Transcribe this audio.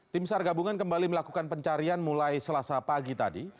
tim sar gabungan kembali melakukan pencarian mulai selasa pagi tadi